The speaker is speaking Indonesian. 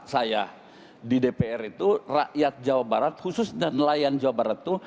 saya di dpr itu rakyat jawa barat khusus dan nelayan jawa barat itu